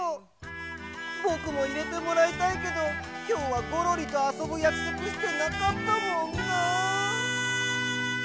ぼくもいれてもらいたいけどきょうはゴロリとあそぶやくそくしてなかったもんなあ。